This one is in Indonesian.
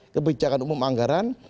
kebijakan umum anggaran